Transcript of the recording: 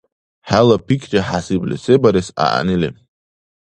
ХӀела пикри хӀясибли, се барес гӀягӀнили?